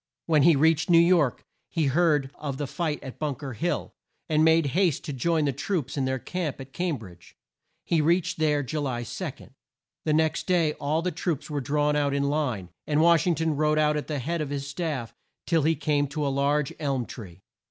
When he reached New York he heard of the fight at Bunk er Hill, and made haste to join the troops in their camp at Cam bridge. He reached there Ju ly 2. The next day all the troops were drawn out in line, and Wash ing ton rode out at the head of his staff till he came to a large elm tree.